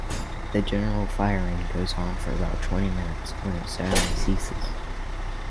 A general firing goes on for about twenty minutes, when it suddenly ceases.